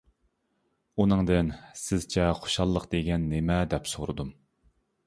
ئۇنىڭدىن : «سىزچە خۇشاللىق دېگەن نېمە؟ » دەپ سورۇدۇم.